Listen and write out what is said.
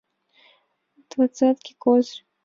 — Двадцатке козырь.